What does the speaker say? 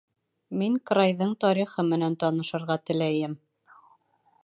Мин крайҙың тарихы менән танышырға теләйем.